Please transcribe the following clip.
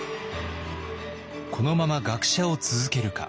このまま学者を続けるか。